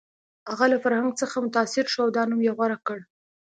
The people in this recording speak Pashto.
هغه له فرهنګ څخه متاثر شو او دا نوم یې غوره کړ